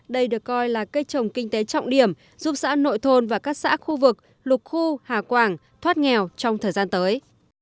đây được coi là cây trồng kinh tế trọng điểm giúp xã nội thôn và các xã khu vực lục khu hà quảng thoát nghèo trong thời gian tới